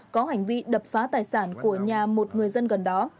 có hành vi đập phá tài sản của nhà một người dân gần đó